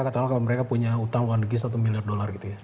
katakanlah kalau mereka punya hutang satu juta dolar gitu ya